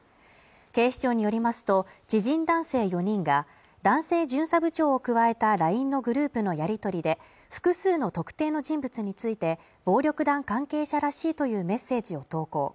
警視庁によりますと知人男性４人が男性巡査部長を加えたＬＩＮＥのグループのやり取りで複数の特定の人物について暴力団関係者らしいというメッセージを投稿